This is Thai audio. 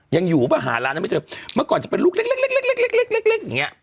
ยังอยู่ประหารนะไม่เจอเมื่อก่อนจะเป็นลูกเล็กอย่างเงี้ย